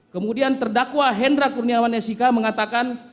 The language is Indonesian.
kemudian terdakwa hendra kurniawan sik mengatakan